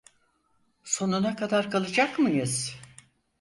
Sonuna kadar kalacak mıyız?